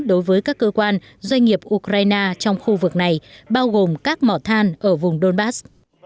đối với các cơ quan doanh nghiệp ukraine trong khu vực này bao gồm các mỏ than ở vùng donbass